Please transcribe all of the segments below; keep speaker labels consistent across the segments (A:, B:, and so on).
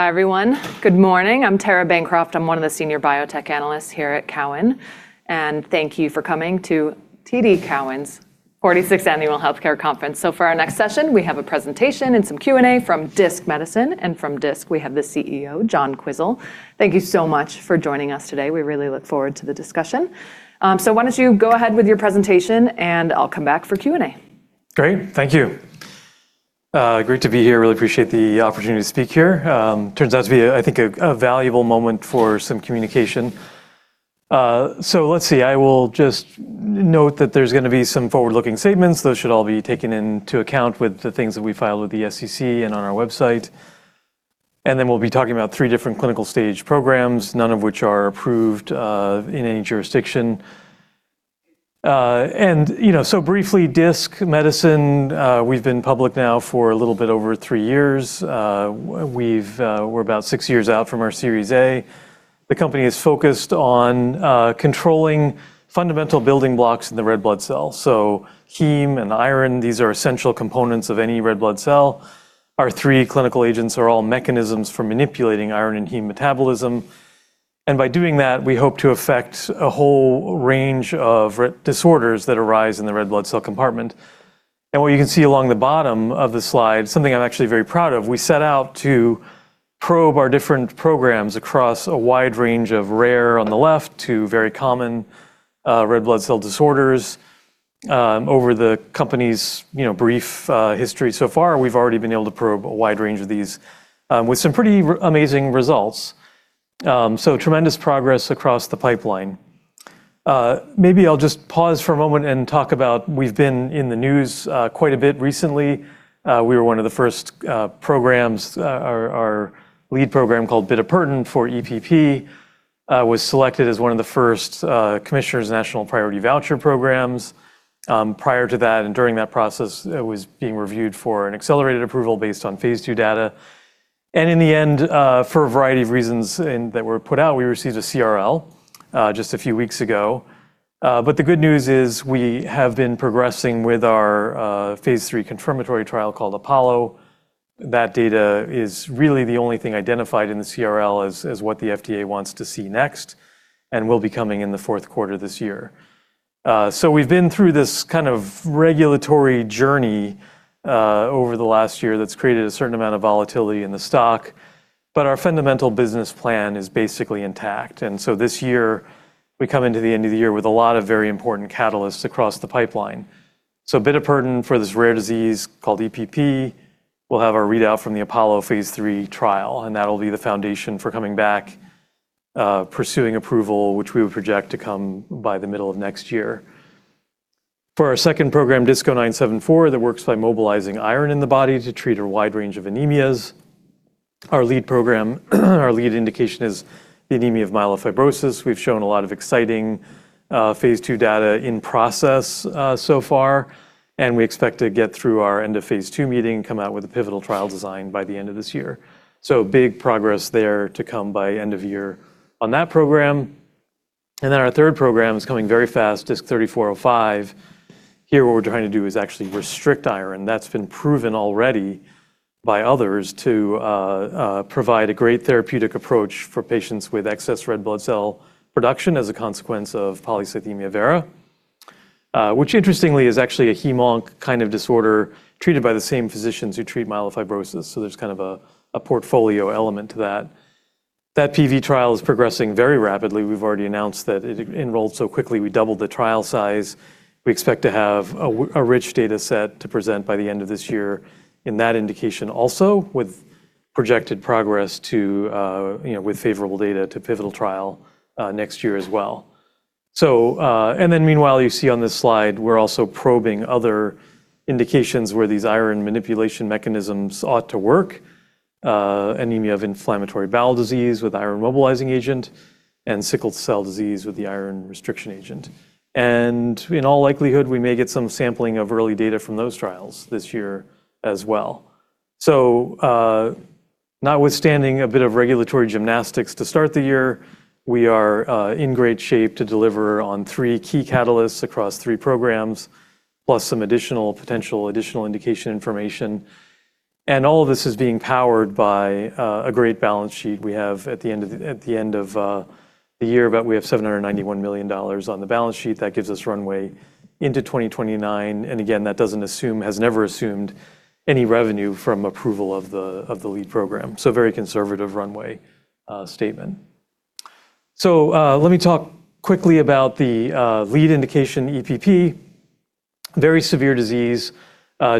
A: Hi, everyone. Good morning. I'm Tara Bancroft. I'm one of the Senior Biotech Analysts here at Cowen. Thank you for coming to TD Cowen's 46th Annual Healthcare Conference. For our next session, we have a presentation and some Q&A from Disc Medicine. From Disc, we have the CEO, John Quisel. Thank you so much for joining us today. We really look forward to the discussion. Why don't you go ahead with your presentation, and I'll come back for Q&A.
B: Great. Thank you. Great to be here. Really appreciate the opportunity to speak here. Turns out to be, I think, a valuable moment for some communication. Let's see. I will just note that there's gonna be some forward-looking statements. Those should all be taken into account with the things that we filed with the SEC and on our website. We'll be talking about three different clinical stage programs, none of which are approved in any jurisdiction. You know, briefly, Disc Medicine, we've been public now for a little bit over three years. We've, we're about six years out from our Series A. The company is focused on controlling fundamental building blocks in the red blood cell. Heme and iron, these are essential components of any red blood cell. Our three clinical agents are all mechanisms for manipulating iron and heme metabolism. By doing that, we hope to affect a whole range of disorders that arise in the red blood cell compartment. What you can see along the bottom of the slide, something I'm actually very proud of, we set out to probe our different programs across a wide range of rare on the left to very common red blood cell disorders. Over the company's, you know, brief history so far, we've already been able to probe a wide range of these, with some pretty amazing results. Tremendous progress across the pipeline. Maybe I'll just pause for a moment and talk about we've been in the news quite a bit recently. We were one of the first programs. Our lead program called bitopertin for EPP was selected as one of the first Commissioner's National Priority Voucher programs. Prior to that and during that process, it was being reviewed for an accelerated approval based on phase II data. In the end, for a variety of reasons and that were put out, we received a CRL just a few weeks ago. The good news is we have been progressing with our phase III confirmatory trial called APOLLO. That data is really the only thing identified in the CRL as what the FDA wants to see next and will be coming in the fourth quarter this year. We've been through this kind of regulatory journey over the last year that's created a certain amount of volatility in the stock, but our fundamental business plan is basically intact. This year, we come into the end of the year with a lot of very important catalysts across the pipeline. bitopertin for this rare disease called EPP will have our readout from the APOLLO phase III trial, and that'll be the foundation for coming back, pursuing approval, which we would project to come by the middle of next year. For our second program, DISC-0974, that works by mobilizing iron in the body to treat a wide range of anemias. Our lead indication is the anemia of myelofibrosis. We've shown a lot of exciting phase II data in process so far. We expect to get through our end-of-phase II meeting, come out with a pivotal trial design by the end of this year. Big progress there to come by end of year on that program. Our third program is coming very fast, DISC-3405. Here, what we're trying to do is actually restrict iron. That's been proven already by others to provide a great therapeutic approach for patients with excess red blood cell production as a consequence of polycythemia vera, which interestingly is actually a HemOnc kind of disorder treated by the same physicians who treat myelofibrosis. There's kind of a portfolio element to that. That PV trial is progressing very rapidly. We've already announced that it enrolled so quickly, we doubled the trial size. We expect to have a rich data set to present by the end of this year in that indication also with projected progress to, you know, with favorable data to pivotal trial next year as well. Meanwhile, you see on this slide, we're also probing other indications where these iron manipulation mechanisms ought to work. Anemia of inflammatory bowel disease with iron mobilizing agent and sickle cell disease with the iron restriction agent. In all likelihood, we may get some sampling of early data from those trials this year as well. Notwithstanding a bit of regulatory gymnastics to start the year, we are in great shape to deliver on three key catalysts across three programs, plus some additional potential additional indication information. All of this is being powered by a great balance sheet we have at the end of the year. We have $791 million on the balance sheet that gives us runway into 2029. Again, that doesn't assume, has never assumed any revenue from approval of the, of the lead program. Very conservative runway statement. Let me talk quickly about the lead indication, EPP. Very severe disease,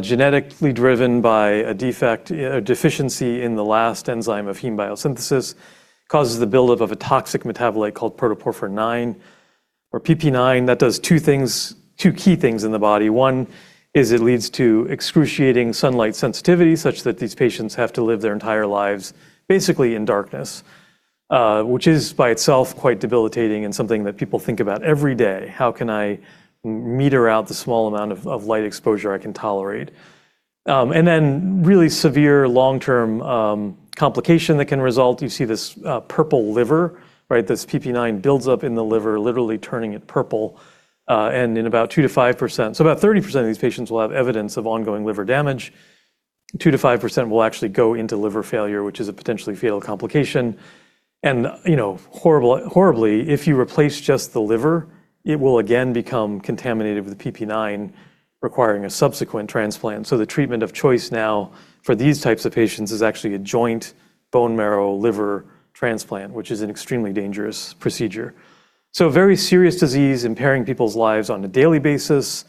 B: genetically driven by a defect, a deficiency in the last enzyme of heme biosynthesis. Causes the buildup of a toxic metabolite called Protoporphyrin IX or PP9 that does two things, two key things in the body. One is it leads to excruciating sunlight sensitivity, such that these patients have to live their entire lives basically in darkness, which is by itself quite debilitating and something that people think about every day. How can I meter out the small amount of light exposure I can tolerate? Really severe long-term complication that can result, you see this purple liver, right? This PP9 builds up in the liver, literally turning it purple, and in about 2%-5%. About 30% of these patients will have evidence of ongoing liver damage. 2%-5% will actually go into liver failure, which is a potentially fatal complication and, you know, horrible, horribly, if you replace just the liver, it will again become contaminated with PP9 requiring a subsequent transplant. The treatment of choice now for these types of patients is actually a joint bone marrow liver transplant, which is an extremely dangerous procedure. Very serious disease impairing people's lives on a daily basis,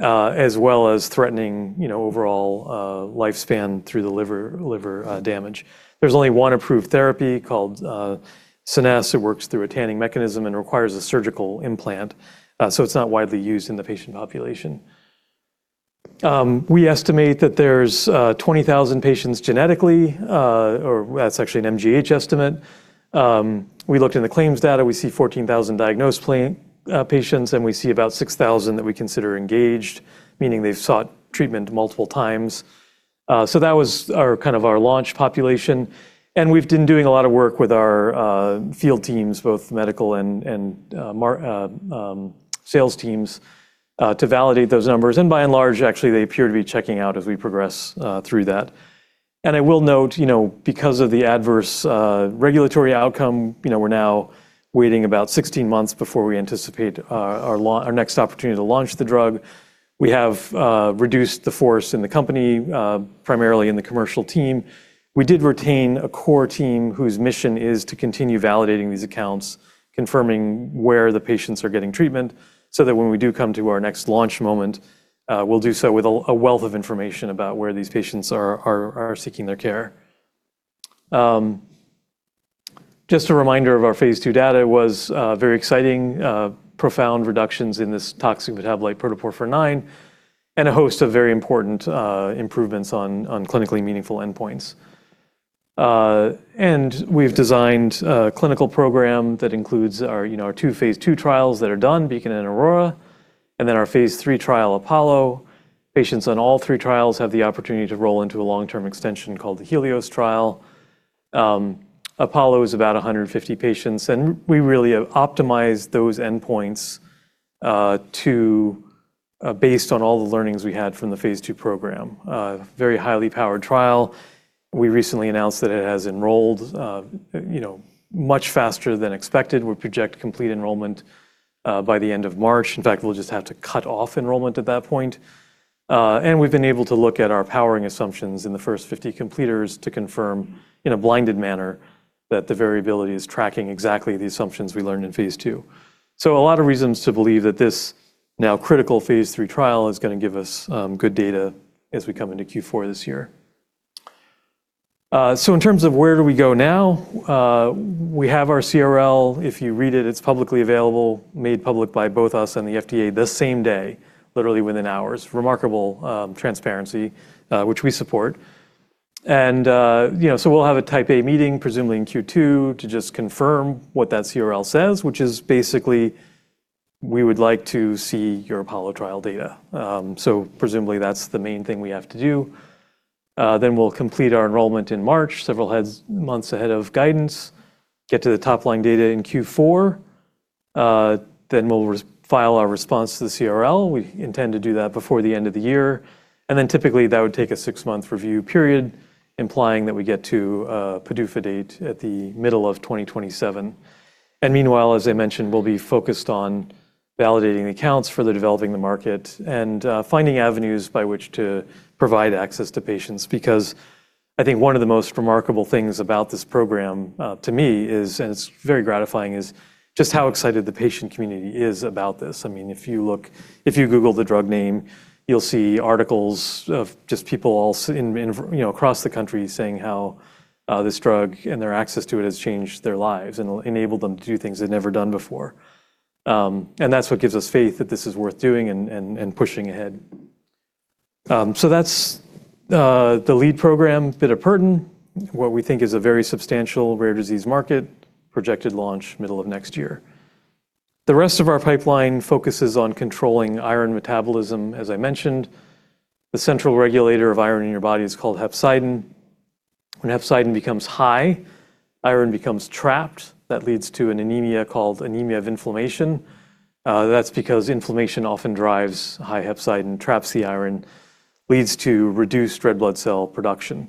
B: as well as threatening, you know, overall lifespan through the liver damage. There's only one approved therapy called Scenesse. It works through a tanning mechanism and requires a surgical implant, so it's not widely used in the patient population. We estimate that there's 20,000 patients genetically, or that's actually an MGH estimate. We looked in the claims data, we see 14,000 diagnosed patients, and we see about 6,000 that we consider engaged, meaning they've sought treatment multiple times. That was our kind of our launch population, and we've been doing a lot of work with our field teams, both medical and sales teams, to validate those numbers. By and large, actually, they appear to be checking out as we progress through that. I will note, you know, because of the adverse regulatory outcome, you know, we're now waiting about 16 months before we anticipate our next opportunity to launch the drug. We have reduced the force in the company, primarily in the commercial team. We did retain a core team whose mission is to continue validating these accounts, confirming where the patients are getting treatment. When we do come to our next launch moment, we'll do so with a wealth of information about where these patients are seeking their care. Just a reminder of our phase II data was very exciting, profound reductions in this toxic metabolite Protoporphyrin IX and a host of very important improvements on clinically meaningful endpoints. We've designed a clinical program that includes our, you know, our two phase II trials that are done, BEACON and AURORA, and then our phase III trial, APOLLO. Patients on all three trials have the opportunity to roll into a long-term extension called the HELIOS trial. APOLLO is about 150 patients. We really have optimized those endpoints, to, based on all the learnings we had from the phase II program. Very highly powered trial. We recently announced that it has enrolled, you know, much faster than expected. We project complete enrollment by the end of March. In fact, we'll just have to cut off enrollment at that point. We've been able to look at our powering assumptions in the first 50 completers to confirm in a blinded manner that the variability is tracking exactly the assumptions we learned in phase II. A lot of reasons to believe that this now critical phase III trial is gonna give us good data as we come into Q4 this year. In terms of where do we go now, we have our CRL. If you read it's publicly available, made public by both us and the FDA the same day, literally within hours. Remarkable transparency, which we support. You know, so we'll have a Type A meeting, presumably in Q2, to just confirm what that CRL says, which is basically, we would like to see your APOLLO trial data. Presumably, that's the main thing we have to do. We'll complete our enrollment in March, several months ahead of guidance, get to the top-line data in Q4. We'll file our response to the CRL. We intend to do that before the end of the year. Typically, that would take a six month review period, implying that we get to a PDUFA date at the middle of 2027. Meanwhile, as I mentioned, we'll be focused on validating the accounts for the developing the market and finding avenues by which to provide access to patients because I think one of the most remarkable things about this program to me is, and it's very gratifying, is just how excited the patient community is about this. I mean, if you Google the drug name, you'll see articles of just people all in, you know, across the country saying how this drug and their access to it has changed their lives and enabled them to do things they've never done before. That's what gives us faith that this is worth doing and pushing ahead. That's the lead program, bitopertin, what we think is a very substantial rare disease market, projected launch middle of next year. The rest of our pipeline focuses on controlling iron metabolism, as I mentioned. The central regulator of iron in your body is called hepcidin. When hepcidin becomes high, iron becomes trapped. That leads to an anemia called anemia of inflammation. That's because inflammation often drives high hepcidin, traps the iron, leads to reduced red blood cell production.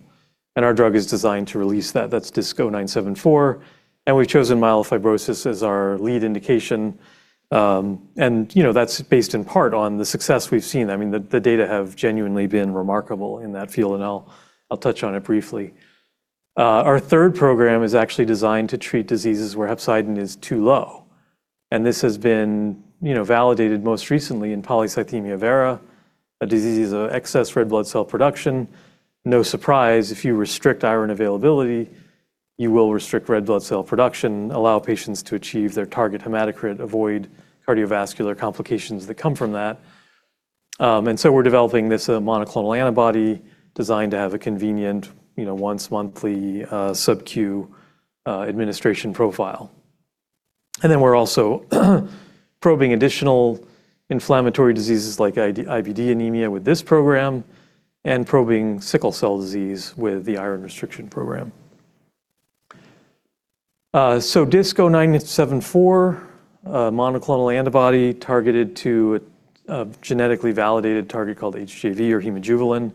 B: Our drug is designed to release that. That's DISC-0974, we've chosen myelofibrosis as our lead indication. You know, that's based in part on the success we've seen. I mean, the data have genuinely been remarkable in that field, I'll touch on it briefly. Our third program is actually designed to treat diseases where hepcidin is too low, this has been, you know, validated most recently in polycythemia vera, a disease of excess red blood cell production. No surprise, if you restrict iron availability, you will restrict red blood cell production, allow patients to achieve their target hematocrit, avoid cardiovascular complications that come from that. We're developing this monoclonal antibody designed to have a convenient, you know, once-monthly, SubQ administration profile. We're also probing additional inflammatory diseases like IBD anemia with this program and probing sickle cell disease with the iron restriction program. DISC-0974, a monoclonal antibody targeted to a genetically validated target called HJV or hemojuvelin.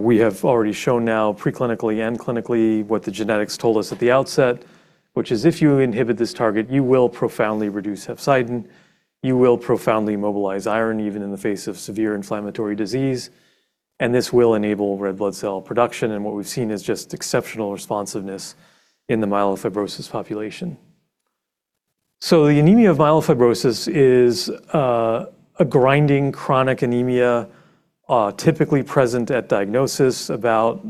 B: We have already shown now preclinically and clinically what the genetics told us at the outset, which is if you inhibit this target, you will profoundly reduce hepcidin, you will profoundly mobilize iron even in the face of severe inflammatory disease, and this will enable red blood cell production. What we've seen is just exceptional responsiveness in the myelofibrosis population. The anemia of myelofibrosis is a grinding chronic anemia, typically present at diagnosis. About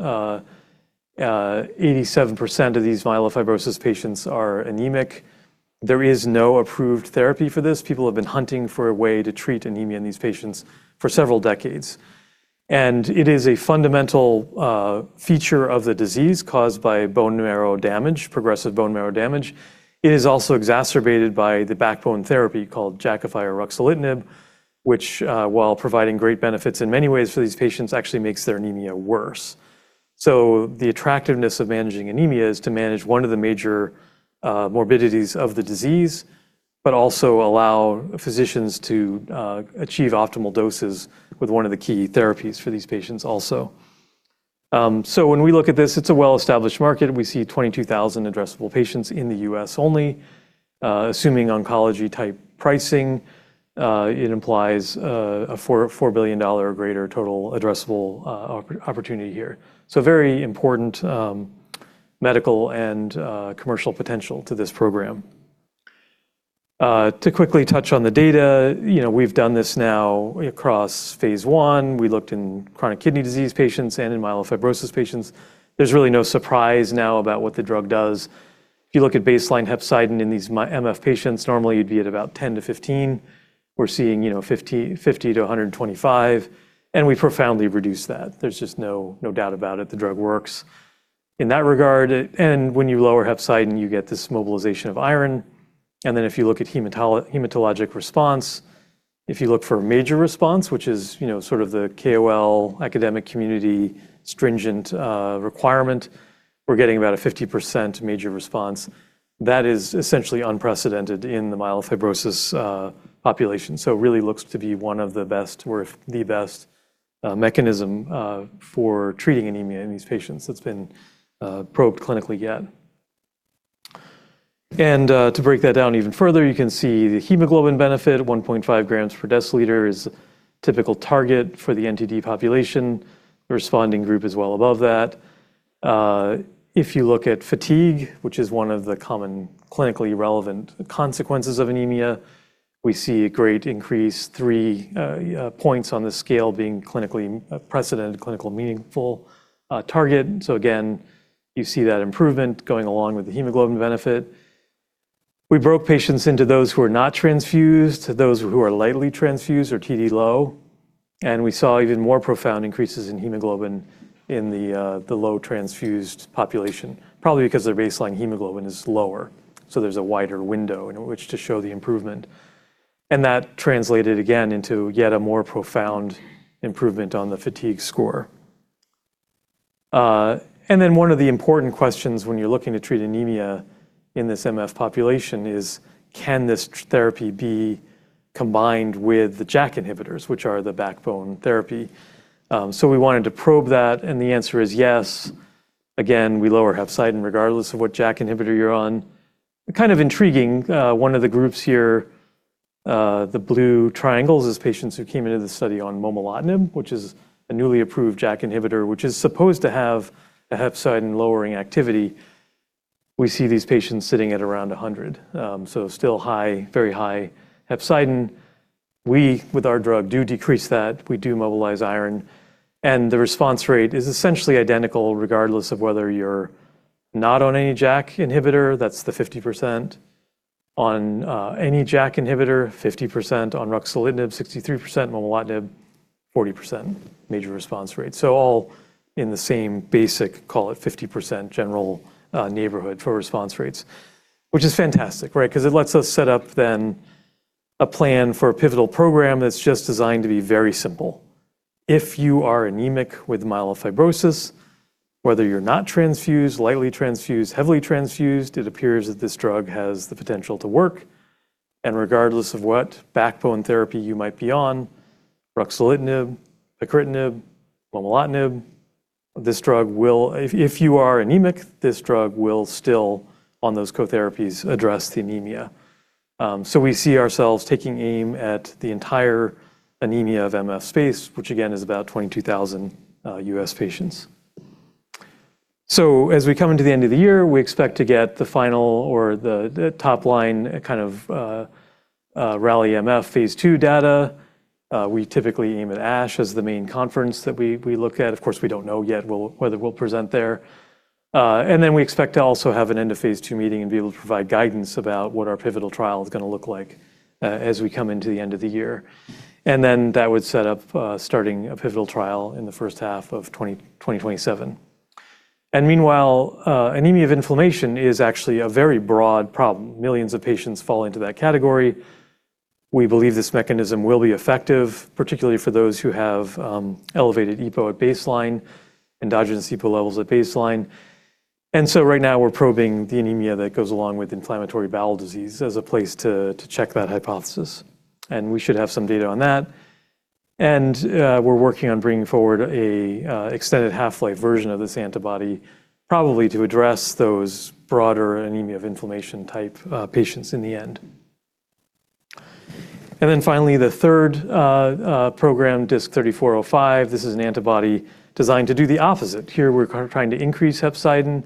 B: 87% of these myelofibrosis patients are anemic. There is no approved therapy for this. People have been hunting for a way to treat anemia in these patients for several decades. It is a fundamental feature of the disease caused by bone marrow damage, progressive bone marrow damage. It is also exacerbated by the backbone therapy called Jakafi or ruxolitinib, which while providing great benefits in many ways for these patients, actually makes their anemia worse. The attractiveness of managing anemia is to manage one of the major morbidities of the disease, but also allow physicians to achieve optimal doses with one of the key therapies for these patients also. When we look at this, it's a well-established market. We see 22,000 addressable patients in the U.S. only. Assuming oncology-type pricing, it implies a $4 billion or greater total addressable opportunity here. Very important medical and commercial potential to this program. To quickly touch on the data, you know, we've done this now across phase I. We looked in chronic kidney disease patients and in myelofibrosis patients. There's really no surprise now about what the drug does. If you look at baseline hepcidin in these MF patients, normally you'd be at about 10 to 15. We're seeing, you know, 50-125, we profoundly reduce that. There's just no doubt about it. The drug works in that regard. When you lower hepcidin, you get this mobilization of iron. If you look at hematologic response, if you look for a major response, which is, you know, sort of the KOL academic community stringent requirement, we're getting about a 50% major response. That is essentially unprecedented in the myelofibrosis population. It really looks to be one of the best or the best mechanism for treating anemia in these patients that's been probed clinically yet. To break that down even further, you can see the hemoglobin benefit, 1.5 grams per deciliter is a typical target for the NTD population. The responding group is well above that. If you look at fatigue, which is one of the common clinically relevant consequences of anemia, we see a great increase, three points on the scale being clinically precedent, clinical meaningful target. Again, you see that improvement going along with the hemoglobin benefit. We broke patients into those who are not transfused, those who are lightly transfused or TD low, and we saw even more profound increases in hemoglobin in the low transfused population, probably because their baseline hemoglobin is lower, so there's a wider window in which to show the improvement. One of the important questions when you're looking to treat anemia in this MF population is can this therapy be combined with the JAK inhibitors, which are the backbone therapy? We wanted to probe that, and the answer is yes. Again, we lower hepcidin regardless of what JAK inhibitor you're on. Kind of intriguing, one of the groups here, the blue triangles, is patients who came into the study on momelotinib, which is a newly approved JAK inhibitor, which is supposed to have a hepcidin-lowering activity. We see these patients sitting at around 100, so still high, very high hepcidin. We, with our drug, do decrease that, we do mobilize iron, the response rate is essentially identical regardless of whether you're not on any JAK inhibitor, that's the 50%, on any JAK inhibitor, 50%, on ruxolitinib, 63%, momelotinib, 40% major response rate. All in the same basic, call it 50% general, neighborhood for response rates, which is fantastic, right? 'Cause it lets us set up then a plan for a pivotal program that's just designed to be very simple. If you are anemic with myelofibrosis, whether you're not transfused, lightly transfused, heavily transfused, it appears that this drug has the potential to work, and regardless of what backbone therapy you might be on, ruxolitinib, pacritinib, momelotinib, If you are anemic, this drug will still, on those co-therapies, address the anemia. We see ourselves taking aim at the entire anemia of MF space, which again is about 22,000 U.S. patients. As we come into the end of the year, we expect to get the final or the top line kind of RALLY-MF phase II data. We typically aim at ASH as the main conference that we look at. Of course, we don't know yet whether we'll present there. We expect to also have an end-of-phase II meeting and be able to provide guidance about what our pivotal trial is gonna look like as we come into the end of the year. That would set up starting a pivotal trial in the first half of 2027. Anemia of inflammation is actually a very broad problem. Millions of patients fall into that category. We believe this mechanism will be effective, particularly for those who have elevated EPO at baseline, endogenous EPO levels at baseline. Right now we're probing the anemia that goes along with inflammatory bowel disease as a place to check that hypothesis. We should have some data on that. We're working on bringing forward a extended half-life version of this antibody probably to address those broader anemia of inflammation type patients in the end. Finally, the third program, DISC-3405. This is an antibody designed to do the opposite. Here we're trying to increase hepcidin,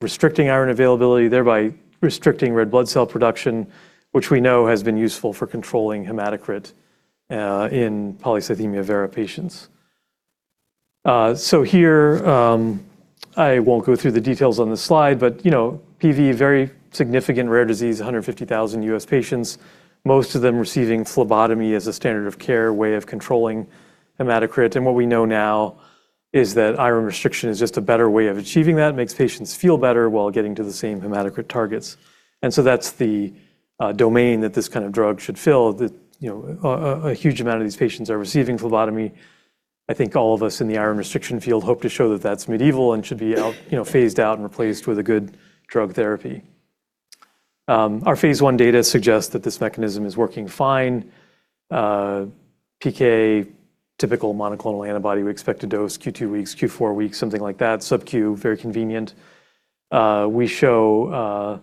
B: restricting iron availability, thereby restricting red blood cell production, which we know has been useful for controlling Hematocrit in polycythemia vera patients. Here, I won't go through the details on this slide, but, you know, PV, very significant rare disease, 150,000 U.S. patients, most of them receiving phlebotomy as a standard of care way of controlling Hematocrit. What we know now is that iron restriction is just a better way of achieving that. It makes patients feel better while getting to the same Hematocrit targets. That's the domain that this kind of drug should fill, that, you know, a huge amount of these patients are receiving phlebotomy. I think all of us in the iron restriction field hope to show that that's medieval and should be out, you know, phased out and replaced with a good drug therapy. Our phase I data suggests that this mechanism is working fine. PK, typical monoclonal antibody. We expect a dose Q2 weeks, Q4 weeks, something like that. SubQ, very convenient. We show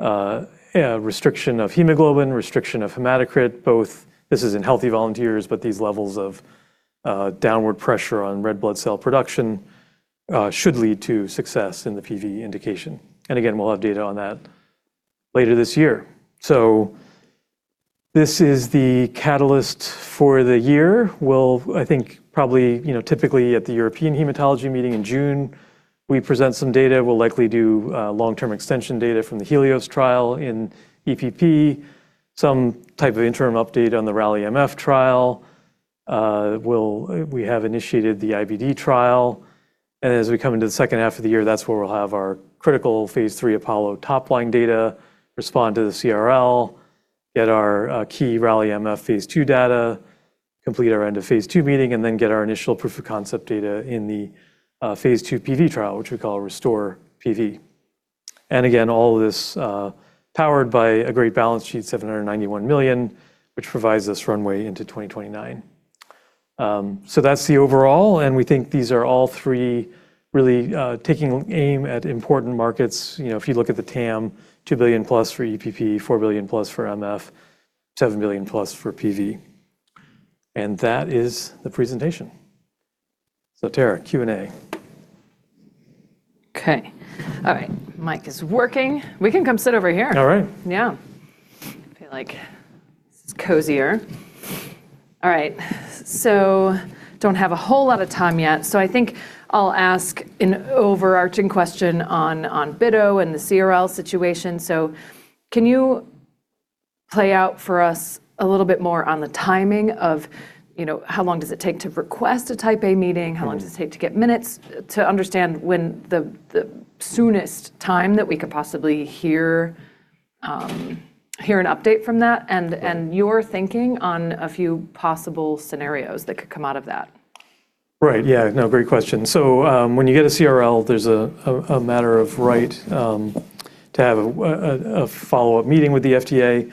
B: a restriction of hemoglobin, restriction of hematocrit, both this is in healthy volunteers, but these levels of downward pressure on red blood cell production should lead to success in the PV indication. Again, we'll have data on that later this year. This is the catalyst for the year. Well, you know, typically at the European Hematology meeting in June, we present some data. We'll likely do long-term extension data from the HELIOS trial in EPP, some type of interim update on the RALLY-MF trial. We have initiated the IBD trial. As we come into the second half of the year, that's where we'll have our critical phase III APOLLO top-line data, respond to the CRL, get our key RALLY-MF phase II data, complete our end-of-phase II meeting, then get our initial proof of concept data in the phase II PV trial, which we call RESTORE-PV. Again, all of this powered by a great balance sheet, $791 million, which provides us runway into 2029. That's the overall, and we think these are all three really taking aim at important markets. You know, if you look at the TAM, $2 billion-plus for EPP, $4 billion-plus for MF, $7 billion-plus for PV. That is the presentation. Tara, Q&A.
A: Okay. All right. Mic is working. We can come sit over here.
B: All right.
A: Yeah. I feel like this is cozier. All right. Don't have a whole lot of time yet, so I think I'll ask an overarching question on bitopertin and the CRL situation. Can you play out for us a little bit more on the timing of, you know, how long does it take to request a Type A meeting? How long does it take to get minutes to understand when the soonest time that we could possibly hear an update from that and your thinking on a few possible scenarios that could come out of that?
B: Right. Yeah. No, great question. When you get a CRL, there's a matter of right to have a follow-up meeting with the FDA.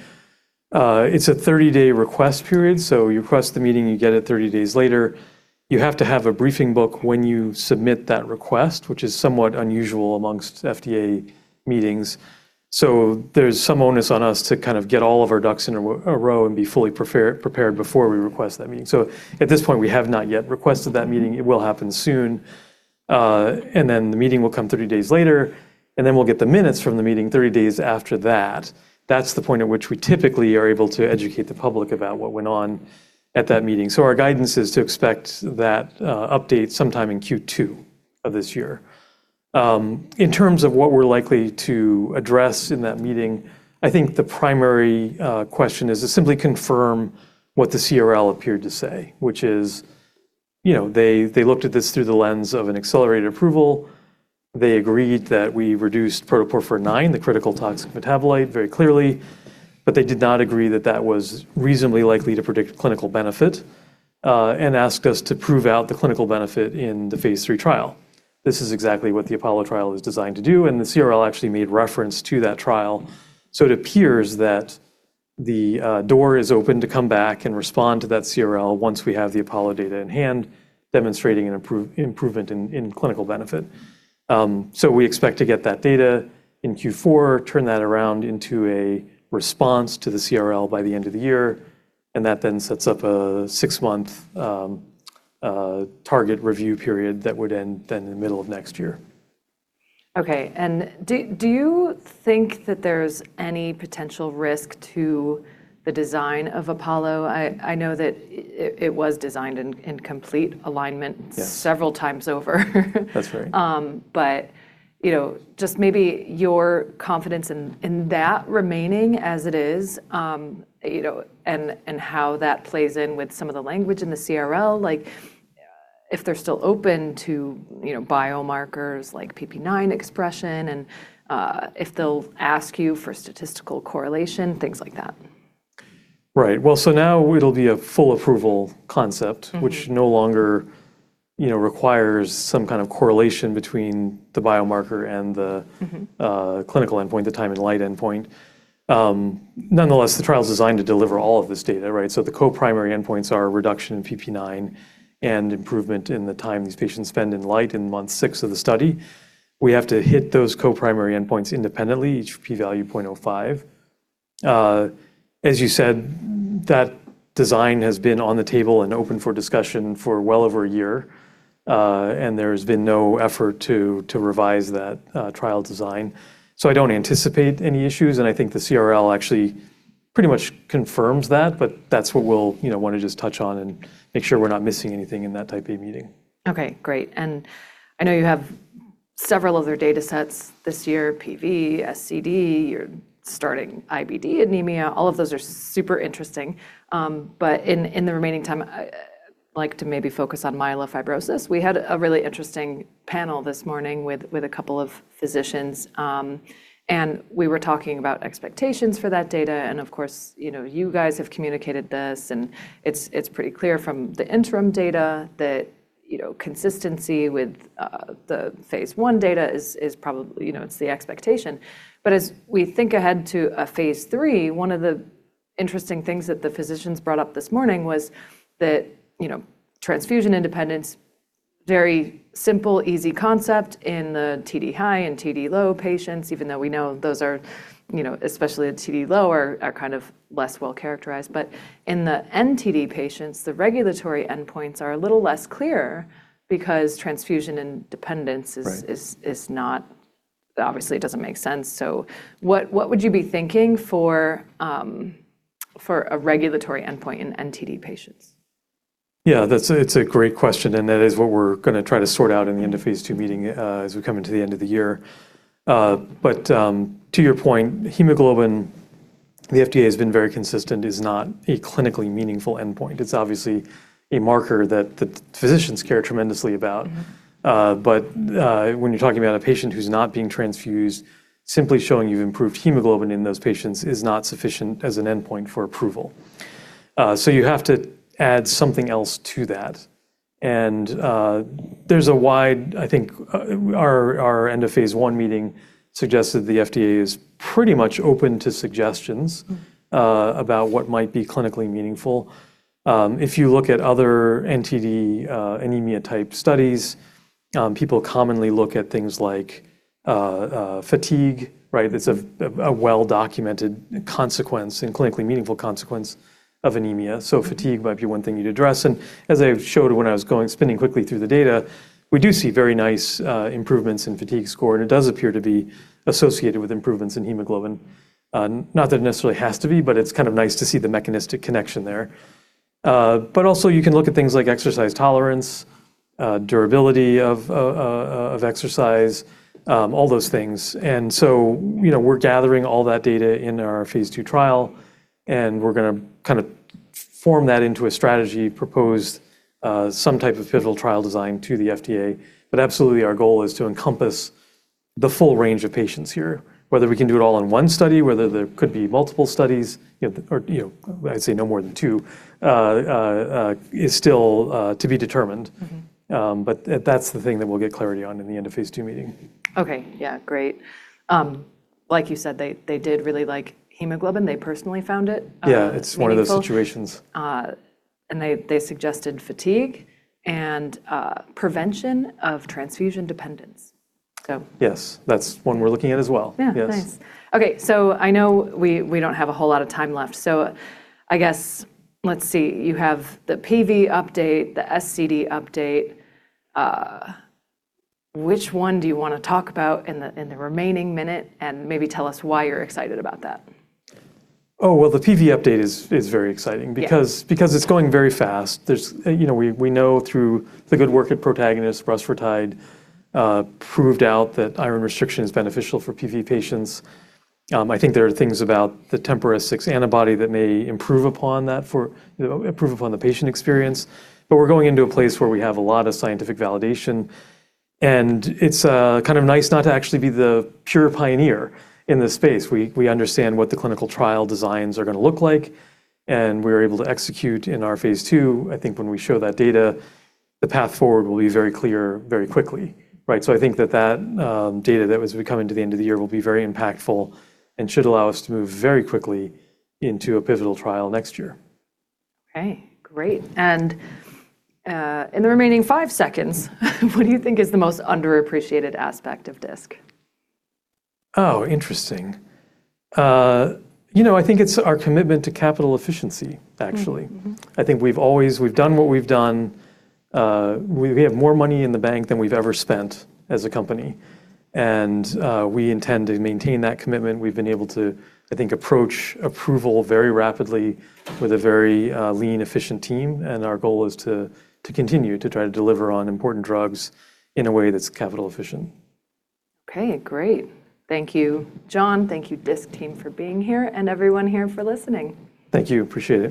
B: It's a 30-day request period, so you request the meeting, you get it 30 days later. You have to have a briefing book when you submit that request, which is somewhat unusual amongst FDA meetings. There's some onus on us to kind of get all of our ducks in a row and be fully prepared before we request that meeting. At this point, we have not yet requested that meeting. It will happen soon. The meeting will come 30 days later, and then we'll get the minutes from the meeting 30 days after that. That's the point at which we typically are able to educate the public about what went on at that meeting. Our guidance is to expect that update sometime in Q2 of this year. In terms of what we're likely to address in that meeting, I think the primary question is to simply confirm what the CRL appeared to say, which is, you know, they looked at this through the lens of an accelerated approval. They agreed that we reduced Protoporphyrin IX, the critical toxic metabolite, very clearly, but they did not agree that that was reasonably likely to predict clinical benefit and asked us to prove out the clinical benefit in the phase III trial. This is exactly what the APOLLO trial is designed to do, and the CRL actually made reference to that trial, so it appears that the door is open to come back and respond to that CRL once we have the APOLLO data in hand demonstrating an improvement in clinical benefit. We expect to get that data in Q4, turn that around into a response to the CRL by the end of the year, and that then sets up a six month target review period that would end then in the middle of next year.
A: Okay. Do you think that there's any potential risk to the design of APOLLO? I know that it was designed in complete alignment.
B: Yes.
A: several times over.
B: That's right.
A: You know, just maybe your confidence in that remaining as it is, you know, and how that plays in with some of the language in the CRL, like, if they're still open to, you know, biomarkers like PP9 expression and if they'll ask you for statistical correlation, things like that?
B: Right. Well, now it'll be a full approval concept-.
A: Mm-hmm
B: Which no longer, you know, requires some kind of correlation between the biomarker and.
A: Mm-hmm
B: Clinical endpoint, the time in light endpoint. Nonetheless, the trial's designed to deliver all of this data, right? The co-primary endpoints are a reduction in PP9 and improvement in the time these patients spend in light in month six of the study. We have to hit those co-primary endpoints independently, each p-value 0.05. As you said, that design has been on the table and open for discussion for well over a year, and there's been no effort to revise that trial design. I don't anticipate any issues, and I think the CRL actually pretty much confirms that, but that's what we'll, you know, wanna just touch on and make sure we're not missing anything in that Type A meeting.
A: Okay, great. I know you have several other data sets this year, PV, SCD, you're starting IBD anemia, all of those are super interesting. But in the remaining time I'd like to maybe focus on myelofibrosis. We had a really interesting panel this morning with a couple of physicians, and we were talking about expectations for that data. Of course, you know, you guys have communicated this and it's pretty clear from the interim data that, you know, consistency with the phase I data is probably, you know, it's the expectation. As we think ahead to a phase III, one of the interesting things that the physicians brought up this morning was that, you know, transfusion independence, very simple, easy concept in the TD-high and TD-low patients, even though we know those are, you know, especially the TD-low are kind of less well characterized. In the NTD patients, the regulatory endpoints are a little less clear because transfusion and dependence is-.
B: Right
A: is not. Obviously it doesn't make sense. What would you be thinking for a regulatory endpoint in NTD patients?
B: Yeah, it's a great question, and that is what we're gonna try to sort out in the end-of-phase II meeting, as we come into the end of the year. To your point, hemoglobin, the FDA has been very consistent, is not a clinically meaningful endpoint. It's obviously a marker that the physicians care tremendously about.
A: Mm-hmm.
B: When you're talking about a patient who's not being transfused, simply showing you've improved hemoglobin in those patients is not sufficient as an endpoint for approval. You have to add something else to that. I think our end of phase I meeting suggested the FDA is pretty much open to suggestions.
A: Mm-hmm
B: About what might be clinically meaningful. If you look at other NTD, anemia type studies, people commonly look at things like fatigue, right? It's a well-documented consequence and clinically meaningful consequence of anemia, so fatigue might be one thing you'd address. As I showed when I was going, spinning quickly through the data, we do see very nice improvements in fatigue score, and it does appear to be associated with improvements in hemoglobin. Not that it necessarily has to be, but it's kind of nice to see the mechanistic connection there. Also you can look at things like exercise tolerance, durability of exercise, all those things. You know, we're gathering all that data in our phase II trial, and we're gonna kinda form that into a strategy, propose some type of pivotal trial design to the FDA. Absolutely our goal is to encompass the full range of patients here. Whether we can do it all in one study, whether there could be multiple studies, you know, or, you know, I'd say no more than two, is still to be determined.
A: Mm-hmm.
B: That's the thing that we'll get clarity on in the end-of-phase II meeting.
A: Okay. Yeah. Great. like you said, they did really like hemoglobin. They personally found it.
B: Yeah, it's one of those situations.
A: Meaningful. They suggested fatigue and prevention of transfusion dependence. So.
B: Yes. That's one we're looking at as well.
A: Yeah. Nice.
B: Yes.
A: Okay. I know we don't have a whole lot of time left, so I guess, let's see, you have the PV update, the SCD update, which one do you wanna talk about in the remaining minute, and maybe tell us why you're excited about that?
B: Oh, well, the PV update is very exciting.
A: Yeah
B: Because it's going very fast. You know, we know through the good work at Protagonist, Rusfertide proved out that iron restriction is beneficial for PV patients. I think there are things about the TMPRSS6 antibody that may improve upon that for, you know, improve upon the patient experience, but we're going into a place where we have a lot of scientific validation, and it's kind of nice not to actually be the pure pioneer in this space. We understand what the clinical trial designs are gonna look like, and we're able to execute in our phase II. I think when we show that data, the path forward will be very clear very quickly, right? I think that data that as we come into the end of the year will be very impactful and should allow us to move very quickly into a pivotal trial next year.
A: Okay. Great. In the remaining five seconds, what do you think is the most underappreciated aspect of Disc?
B: Oh, interesting. You know, I think it's our commitment to capital efficiency, actually.
A: Hmm. Mm-hmm.
B: I think we've always. We've done what we've done. We have more money in the bank than we've ever spent as a company. We intend to maintain that commitment. We've been able to, I think, approach approval very rapidly with a very lean, efficient team. Our goal is to continue to try to deliver on important drugs in a way that's capital efficient.
A: Okay. Great. Thank you, John. Thank you Disc team for being here and everyone here for listening.
B: Thank you. Appreciate it.